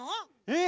え！